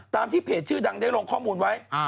ที่เพจชื่อดังได้ลงข้อมูลไว้